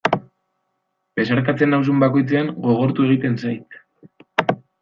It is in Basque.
Besarkatzen nauzun bakoitzean gogortu egiten zait.